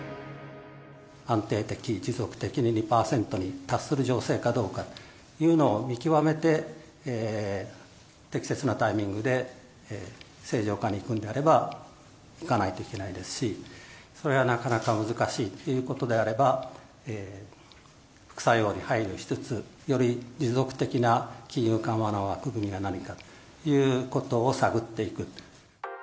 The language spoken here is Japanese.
安定的、持続的に２％に達する情勢かどうかというのを見極めて、適切なタイミングで正常化に行くんであれば、行かないといけないですし、それがなかなか難しいということであれば、副作用に配慮しつつ、より持続的な金融緩和の枠組みが何かということを探っていく。